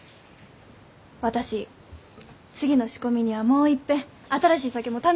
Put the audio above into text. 私次の仕込みにはもういっぺん新しい酒も試してみたい。